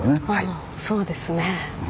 ああそうですね。